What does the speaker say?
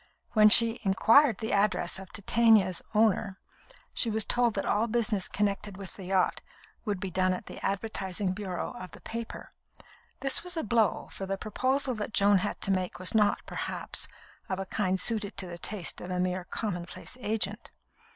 When she inquired the address of Titania's owner, she was told that all business connected with the yacht would be done at the advertising bureau of the paper. This was a blow, for the proposal that Joan had to make was not, perhaps, of a kind suited to the taste of a mere commonplace agent.